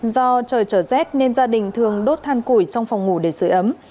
do trời trở rét nên gia đình thường đốt than củi trong phòng ngủ để sửa ấm